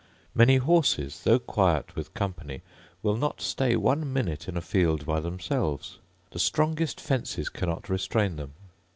Many horses, though quiet with company, will not stay one minute in a field by themselves: the strongest fences cannot restrain them.